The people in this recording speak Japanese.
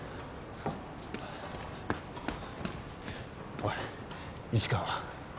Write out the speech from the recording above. おい市川は？